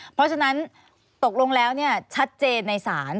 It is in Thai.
เพราะฉะนั้นตกลงแล้วชัดเจนในศาล